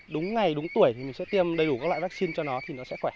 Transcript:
đúng ngày đúng tuổi thì mình sẽ tiêm đầy đủ các loại vaccine cho nó thì nó sẽ khỏe